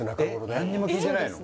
何にも聞いてないの？